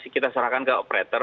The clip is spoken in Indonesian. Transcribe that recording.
kita serahkan ke operator